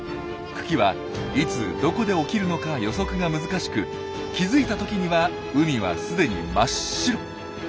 群来はいつどこで起きるのか予測が難しく気付いた時には海は既に真っ白。